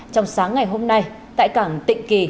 trong sáng ngày hôm nay tại cảng tịnh kỳ